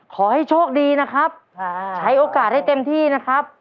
ขอให้โชคดีนะครับใช้โอกาสให้เต็มที่นะครับ